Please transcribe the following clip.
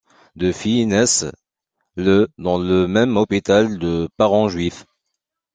Deux filles naissent le dans le même hôpital de parents juifs.